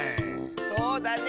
そうだね！